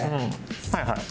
はいはい？